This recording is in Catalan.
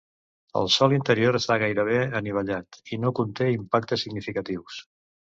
El sòl interior està gairebé anivellat i no conté impactes significatius.